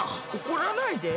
怒らないで。